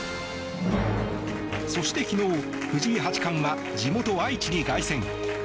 そして昨日藤井八冠は地元・愛知に凱旋。